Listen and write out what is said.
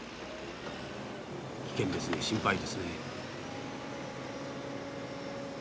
危険ですね心配ですね。